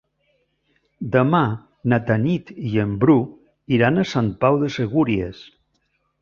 Demà na Tanit i en Bru iran a Sant Pau de Segúries.